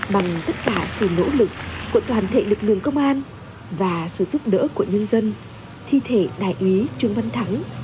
bằng tất cả sự nỗ lực của toàn thể lực lượng công an và sự giúp đỡ của nhân dân thi thể đại úy trương văn thắng